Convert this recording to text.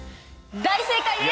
大正解です！